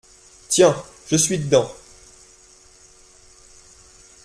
Tiens ! je suis dedans !…